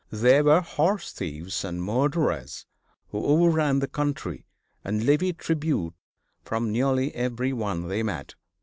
They were horse thieves and murderers who overran the country and levied tribute from nearly every one they met.